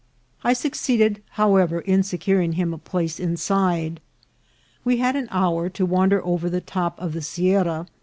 I succeeded, however, in securing him a place inside. We had an hour to wander over the top of the sierra.